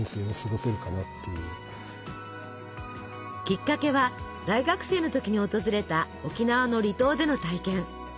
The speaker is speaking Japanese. きっかけは大学生の時に訪れた沖縄の離島での体験。